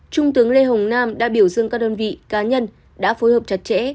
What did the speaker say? trung tướng lê hồng nam đã biểu dương các đơn vị cá nhân đã phối hợp chặt chẽ